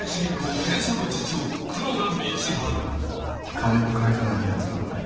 金を返さない奴は悪い。